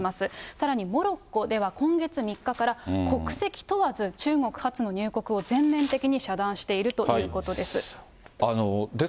さらにモロッコでは今月３日から、国籍問わず、中国発の入国を全面的に遮断しているということです。